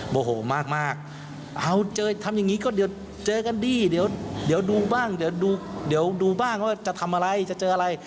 โบโหมากทำอย่างนี้ก็เดี๋ยวเจอกันดีเดี๋ยวดูบ้างจะทำอะไรจะเจออะไร